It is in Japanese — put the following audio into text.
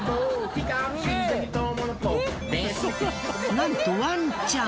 なんとワンちゃん。